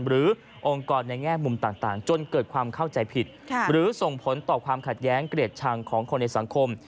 องค์กรในแง่มุมต่างจนเกิดความเข้าใจผิดหรือส่งผลต่อความขัดแย้งเกลียดชังของคนในสังคม